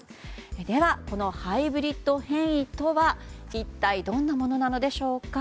ではこのハイブリッド変異とはどんなものなのでしょうか。